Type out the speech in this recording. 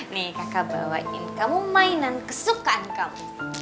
nih kakak bawain kamu mainan kesukaan kamu